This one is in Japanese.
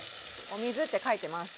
お水って書いてます。